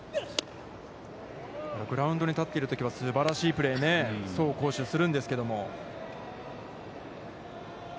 グラウンドに立っているときには、すばらしいプレーを走攻守、するんですけども。